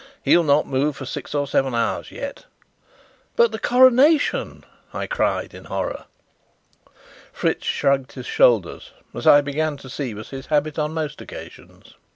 He'll not move for six or seven hours yet." "But the coronation!" I cried in horror. Fritz shrugged his shoulders, as I began to see was his habit on most occasions.